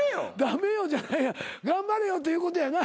頑張れよということやな？